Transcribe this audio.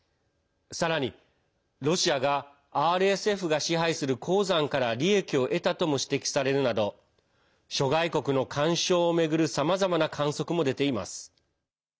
さらにロシアがＲＳＦが支配する鉱山から利益を得たとも指摘されるなど諸外国の干渉を巡るさまざまな観測も出ています。